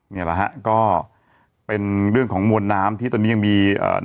นี่แหละฮะก็เป็นเรื่องของมวลน้ำที่ตอนนี้ยังมีเอ่อ